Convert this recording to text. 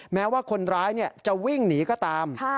แม้ว่าคนร้ายจะวิ่งหนีก็ตาม